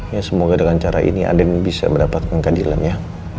ya semoga dengan cara ini ada yang bisa mendapatkan keadilan ya